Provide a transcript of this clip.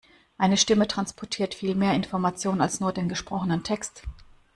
Eine Stimme transportiert viel mehr Information als nur den gesprochenen Text.